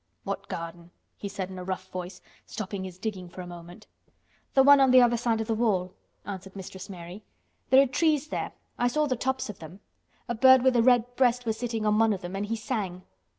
"What garden?" he said in a rough voice, stopping his digging for a moment. "The one on the other side of the wall," answered Mistress Mary. "There are trees there—I saw the tops of them. A bird with a red breast was sitting on one of them and he sang."